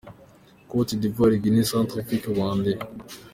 Cote d’Ivoire, Guinea, Centrafrique, Rwanda